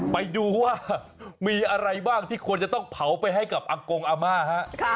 ไปดูว่ามีอะไรบ้างที่ควรจะต้องเผาไปให้กับอากงอาม่าฮะ